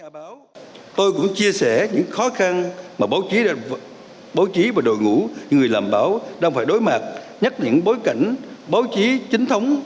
báo chí và đội ngũ những người làm báo đang phải đối mặt nhắc những bối cảnh báo chí chính thống